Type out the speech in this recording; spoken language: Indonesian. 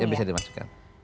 iya bisa dimasukkan